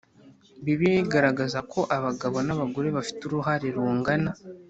Bibiliya igaragaza ko abagabo n abagore bafite uruhare rungana